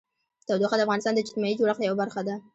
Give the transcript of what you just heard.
تودوخه د افغانستان د اجتماعي جوړښت یوه برخه ده.